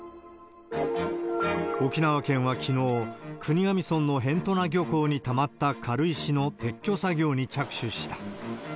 沖縄県はきのう、国頭村の辺土名漁港にたまった軽石の撤去作業に着手した。